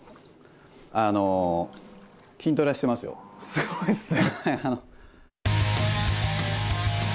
すごいっすね。